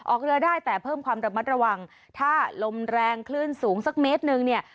ออกเรือได้แต่เพิ่มความระมัดระวังถ้าลมแรงคลื่นสูงสักเมตรหนึ่งเนี่ย